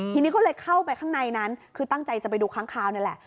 ทีนี้ก็เลยเข้าไปข้างในนั้นคือตั้งใจจะไปดูค้างคาวนี่แหละ